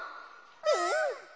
うん。